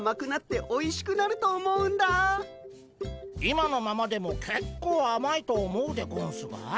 今のままでもけっこうあまいと思うでゴンスが。